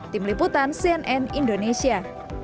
tim liputan cnn indonesia